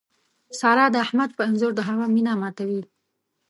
سارا د احمد په انځور د هغه مینه ماتوي.